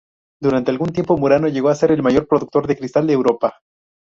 Durante algún tiempo, Murano llegó a ser el mayor productor de cristal de Europa.